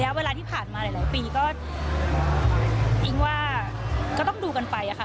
ระยะเวลาที่ผ่านมาหลายปีก็ต้องดูกันไปค่ะ